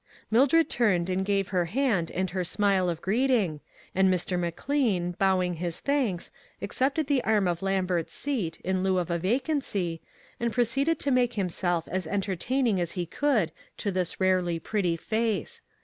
Mildred turned and gave her hand and her smile of greeting, and . Mr. McLean, bowing his thanks, accepted the arm of Lambert's seat, in lieu of a vacancy, and proceeded to make himself as entertaining as he could to this rarely pretty face.